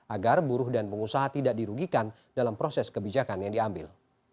agar buruh dan pengusaha tidak dirugikan dalam proses kebijakan yang diambil